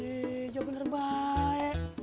yee jawab bener baik